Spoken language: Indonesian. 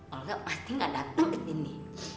olga pasti enggak dateng disini